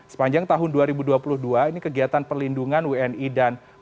sepanjang tahun dua ribu dua puluh dua ini kegiatan perlindungan wni dan wni